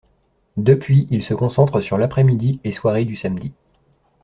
Depuis il se concentre sur l'après-midi et soirée du samedi.